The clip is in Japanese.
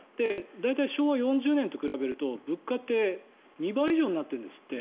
大体、昭和４０年と比べると物価って２倍以上になっているんですって。